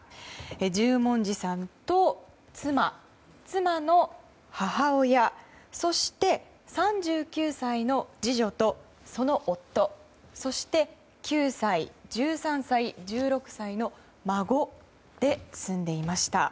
十文字さんと妻、妻の母親そして３９歳の次女とその夫そして９歳、１３歳１６歳の孫で住んでいました。